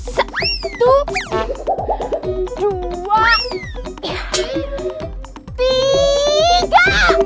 satu dua tiga